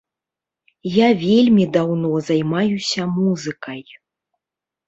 Я вельмі даўно займаюся музыкай.